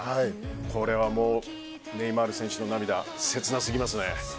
これはネイマール選手の涙切なすぎますね。